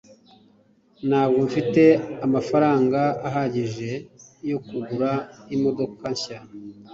ntabwo mfite amafaranga ahagije yo kugura imodoka nshya